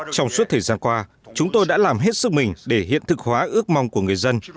trong suốt thời gian qua chúng tôi đã làm hết sức mình để hiện thực hóa ước mong của người dân